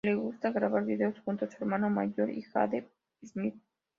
Le gusta grabar vídeos junto a su hermano mayor y Jaden Smith.